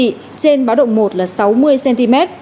trên báo động một là sáu mươi cm